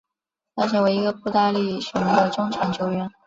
他成为一个步大力雄的中场球员。